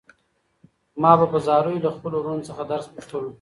ما به په زاریو له خپلو وروڼو څخه درس پوښتلو.